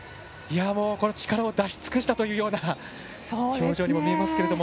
力を出し尽くしたといったような表情にも見えますけれども。